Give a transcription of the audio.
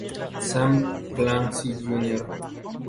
Sam Clancy Jr.